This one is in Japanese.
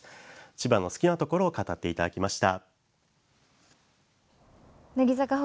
千葉の好きなところを語っていただきました。